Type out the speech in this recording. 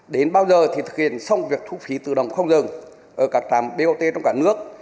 đến bao giờ thì thực hiện xong việc thu phí tự động không dừng ở các trạm bot trong cả nước